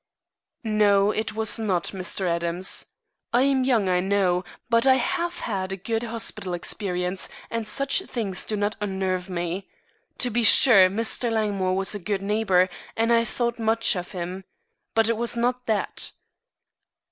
"No, it was not, Mr. Adams. I am young, I know, but I have had a good hospital experience, and such things do not unnerve me. To be sure, Mr. Langmore was a good neighbor, and I thought much of him. But it was not that."